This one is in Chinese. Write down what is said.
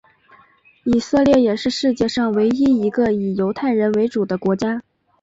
以色列也是世界上唯一一个以犹太人为主的国家。